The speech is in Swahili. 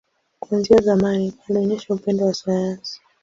Kuanzia zamani, alionyesha upendo wa sayansi.